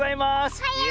おはよう！